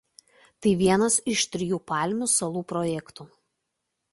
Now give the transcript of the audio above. Tai vienas iš trijų Palmių salų projektų.